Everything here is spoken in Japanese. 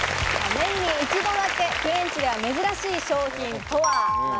年に一度だけ、フレンチでは珍しい商品とは？